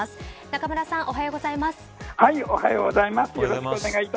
中村さんおはようございます。